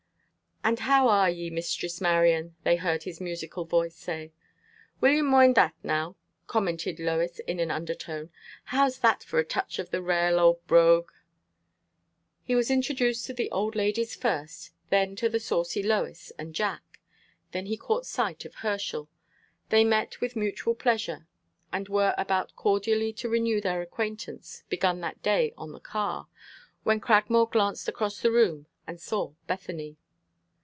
"And how are ye, Mistress Marion?" they heard his musical voice say. "Will ye moind that now," commented Lois in an undertone. "How's that for a touch of the rale auld brogue?" He was introduced to the old ladies first, then to the saucy Lois and Jack. Then he caught sight of Herschel. They met with mutual pleasure, and were about cordially to renew their acquaintance, begun that day on the car, when Cragmore glanced across the room and saw Bethany.